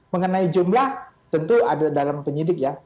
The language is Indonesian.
mengenai jumlah tentu ada dalam penyidik ya